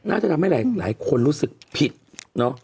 น่าจะทำให้หลายคนรู้สึกผิดเนอะ